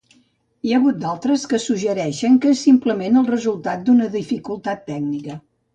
Hi ha hagut d'altres que suggereixen que és simplement el resultat d'una dificultat tècnica.